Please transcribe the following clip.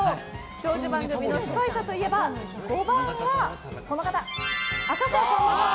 長寿番組の司会者といえば５番は明石家さんまさん。